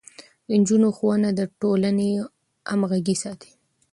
د نجونو ښوونه د ټولنې همغږي ساتي.